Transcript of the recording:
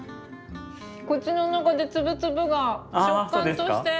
口の中で粒々が食感として。